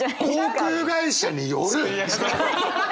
航空会社による！